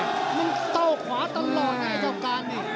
มันโต้ขวาตลอดนะไอ้เจ้าการนี่